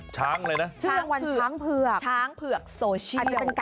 จะเป็นการโหวตอย่างงี้มั้ยคะ